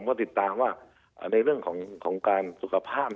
ก็ติดตามว่าในเรื่องของการสุขภาพ